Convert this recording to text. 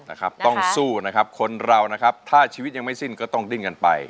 นะครับต้องสู้นะครับคนเรานะครับถ้าชีวิตยังไม่สิ้นก็ต้องดิ้นกันไป